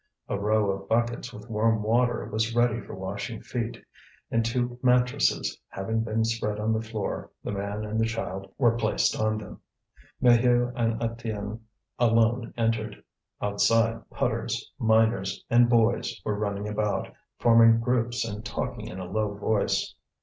A row of buckets with warm water was ready for washing feet; and, two mattresses having been spread on the floor, the man and the child were placed on them. Maheu and Étienne alone entered. Outside, putters, miners, and boys were running about, forming groups and talking in a low voice.